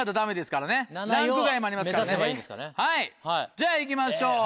じゃあ行きましょう！